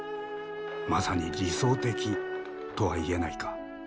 まさに理想的とは言えないか。